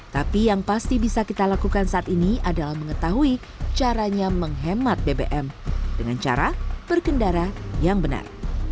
tapi yang pasti bisa kita lakukan saat ini adalah mengetahui caranya menghemat bbm dengan cara berkendara yang benar